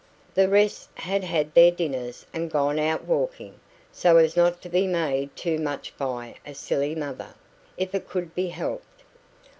The rest had had their dinners and gone out a walking, so as not to be made too much of by a silly mother, if it could be helped.